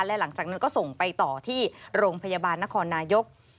และหลังจากนั้นก็ส่งไปต่อที่โรงพยาบาลนครนายก